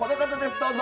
どうぞ！